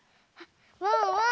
ワンワーン